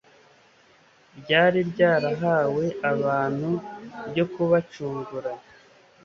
ryari ryarahawe abantu ryo kubacungura